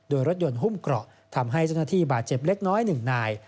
โดยรถยนต์หุ้มเกราะทำให้เจ้าหน้าที่บาดเจ็บเล็กน้อยหนึ่งนาย